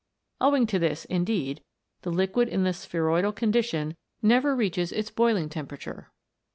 Owing to this, indeed, the liquid in the spheroidal condition never reaches its boiling temperature.